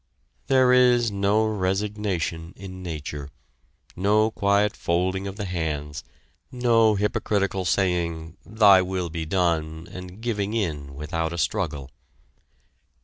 There is no resignation in Nature, no quiet folding of the hands, no hypocritical saying, "Thy will be done!" and giving in without a struggle.